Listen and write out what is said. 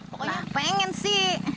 pokoknya pengen sih